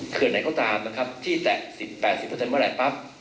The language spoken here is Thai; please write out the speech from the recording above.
เขื่อนไหนก็ตามนะครับที่แตะ๘๐มาแหละปั๊บ